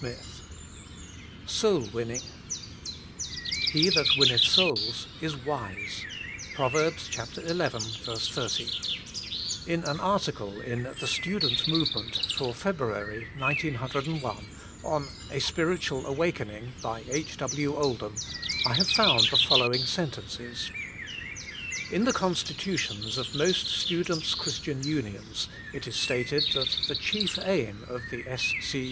XXXIV SOUL WINNING *' He that winneth souls is wise." — Pbov. xi. 30. In an article in The Student Movement for February, 1901, on "A Spiritual Awakening/' by H. W. Oldham, I have found the following sen tences: — "In the constitutions of most Students' Christian Unions it is stated that the Chief Aim of the S. C.